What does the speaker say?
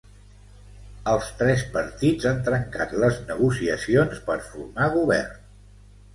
Els tres partits han trencat les negociacions per formar govern